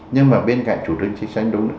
nhưng mà bên cạnh chủ trương chính sách đúng